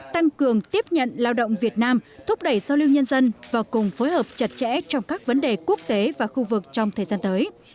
tăng cường tiếp nhận lao động việt nam thúc đẩy giao lưu nhân dân và cùng phối hợp chặt chẽ trong các vấn đề quốc tế và khu vực trong thời gian tới